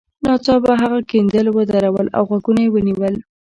ناڅاپه هغه کیندل ودرول او غوږونه یې ونیول